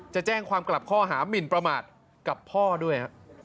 จะแจ้งความกลับข้อหามินประมาทกับพ่อด้วย